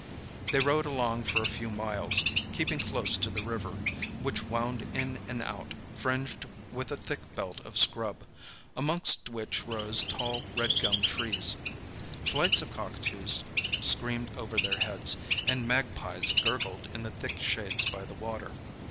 They rode along for a few miles, keeping close to the river, which wound in and out, fringed with a thick belt of scrub, amongst which rose tall red gum trees. Flights of cockatoos screamed over their heads, and magpies gurgled in the thick shades by the water.